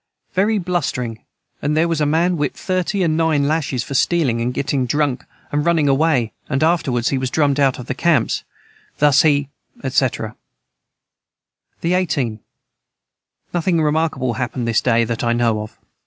Very blustering and their was a man Whipt thirty and nine Lashes for Stealing and getting Drunk and running away and afterwards he was drummed out of the camps thus he &c. the 18. Nothing remarkable hapned this day that I know of.